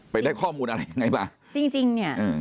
ได้ข้อมูลอะไรยังไงมาจริงจริงเนี้ยอืม